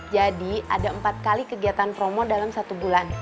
jadi ada empat kali kegiatan promo dalam satu bulan